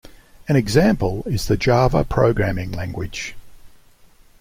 An example is the Java programming language.